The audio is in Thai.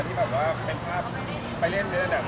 แต่ที่ยังแต่ก็เห็นภาพไปเล่นเดือนดาวรัด